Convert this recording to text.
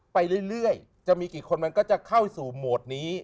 ไปเรื่อยจะมีกี่คนมันก็จะเข้าสู่โหมดนี้